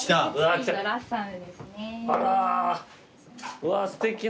うわーすてきな。